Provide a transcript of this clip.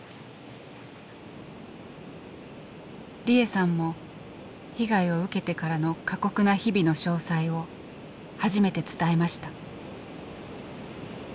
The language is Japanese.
利枝さんも被害を受けてからの過酷な日々の詳細を初めて伝えました。